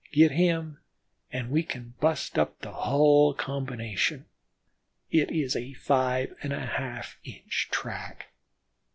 Get him an' we kin bust up the hull combination. It is a five and a half inch track."